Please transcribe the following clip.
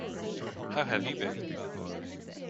How have you been?